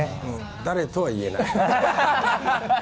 誰とは言えない。